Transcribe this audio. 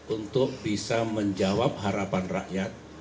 untuk bisa menjawab harapan rakyat